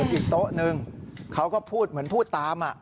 อีกโต๊ะนึงเขาก็พูดเหมือนพูดตาม